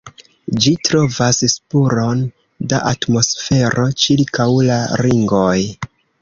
Ĝi trovas spuron da atmosfero ĉirkaŭ la ringoj.